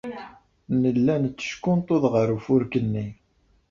Nella netteckunṭuḍ ɣer ufurk-nni.